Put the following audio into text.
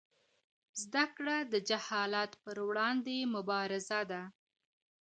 زده کړه د جهالت پر وړاندې مبارزه ده.